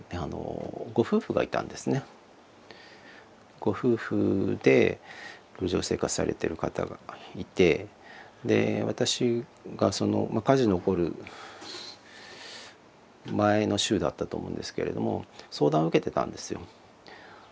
ご夫婦で路上生活されてる方がいてで私が火事の起こる前の週だったと思うんですけれども相談を受けてたんですよ。